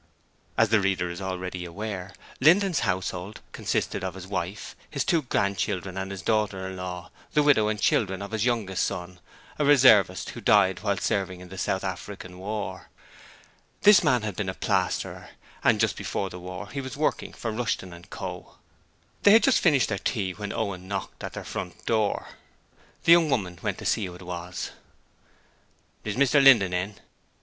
As the reader is already aware, Linden's household consisted of his wife, his two grandchildren and his daughter in law, the widow and children of his youngest son, a reservist, who died while serving in the South African War. This man had been a plasterer, and just before the war he was working for Rushton & Co. They had just finished their tea when Owen knocked at their front door. The young woman went to see who was there. 'Is Mr Linden in?'